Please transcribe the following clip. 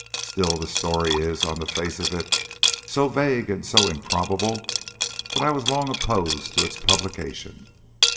Still, the story is, on the face of it, so vague and so improbable, that I was long opposed to its publication.